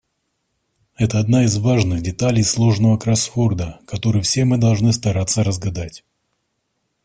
Это одна из важных деталей сложного кроссворда, который все мы должны стараться разгадать.